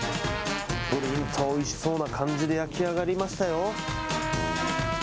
おいしそうな感じで焼き上がりましたよ。